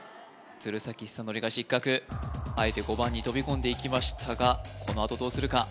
鶴崎修功が失格あえて５番に飛び込んでいきましたがこのあとどうするか？